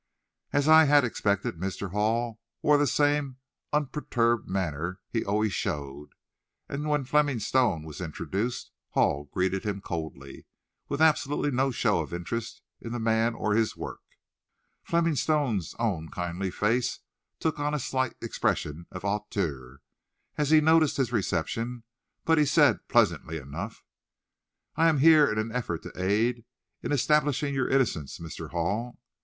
As I had expected, Mr. Hall wore the same unperturbed manner he always showed, and when Fleming Stone was introduced, Hall greeted him coldly, with absolutely no show of interest in the man or his work. Fleming Stone's own kindly face took on a slight expression of hauteur, as he noticed his reception, but he said, pleasantly enough, "I am here in an effort to aid in establishing your innocence, Mr. Hall."